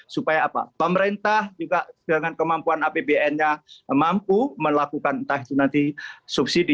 supaya apa pemerintah juga dengan kemampuan apbn nya mampu melakukan entah itu nanti subsidi